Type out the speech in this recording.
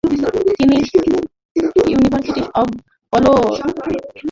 তিনি university of Colorado at Boulder থেকে গণিত ও আণবিক জীববিজ্ঞানে ব্যাচেলর্স ডিগ্রি অর্জন করেন।